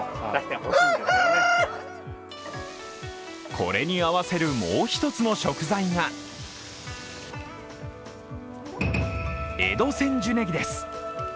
これに合わせるもう一つの食材が江戸千住葱です。